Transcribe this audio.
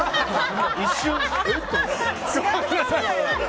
一瞬、え？と思って。